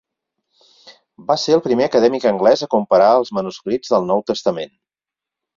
Va ser el primer acadèmic anglès a comparar els manuscrits del "Nou Testament".